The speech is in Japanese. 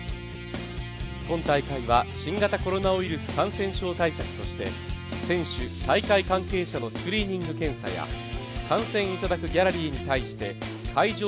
今大会は新型コロナウイルス感染症対策として選手、大会関係者のスクリーニング検査や観戦いただくギャラリーに対して会場